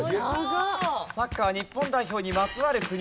サッカー日本代表にまつわる国です。